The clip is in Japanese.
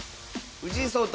藤井聡太